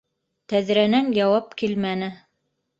Тәҙрәнән яуап килмәне.